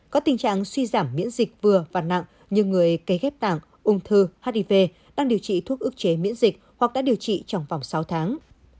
có tình trạng suy giảm miễn dịch vừa và nặng như người cấy ghép tảng ung thư hiv đang điều trị thuốc ước chế miễn dịch hoặc đã điều trị trong vòng sáu tháng